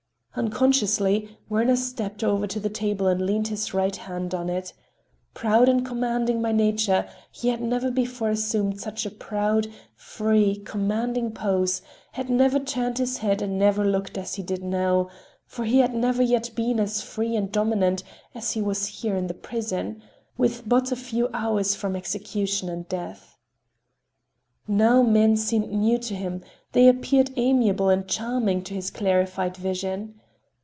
Unconsciously Werner stepped over to the table and leaned his right hand on it. Proud and commanding by nature, he had never before assumed such a proud, free, commanding pose, had never turned his head and never looked as he did now,—for he had never yet been as free and dominant as he was here in the prison, with but a few hours from execution and death. Now men seemed new to him,—they appeared amiable and charming to his clarified vision.